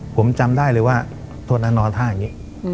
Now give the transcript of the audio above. ผมจำได้เลยว่าตัวนั้นนอนท่าอย่างนี้